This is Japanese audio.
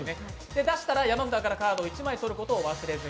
出したら山札からカードを１枚とることを忘れずに。